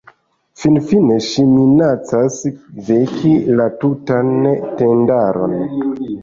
Finfine ŝi minacas veki la tutan tendaron.